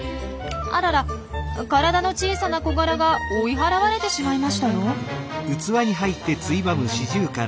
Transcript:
あらら体の小さなコガラが追い払われてしまいましたよ。